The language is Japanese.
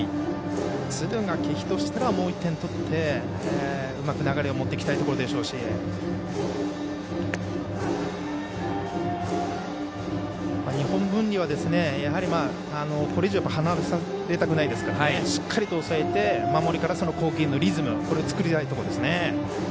敦賀気比としたらもう１点取ってうまく流れを持っていきたいところでしょうし日本文理は、やはりこれ以上離されたくないですからしっかりと抑えて守りから攻撃へのリズムを作りたいところです。